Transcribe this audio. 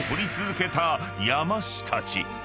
［山師たち］